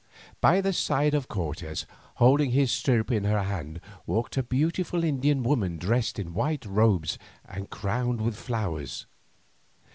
By the side of Cortes, holding his stirrup in her hand, walked a beautiful Indian woman dressed in white robes and crowned with flowers.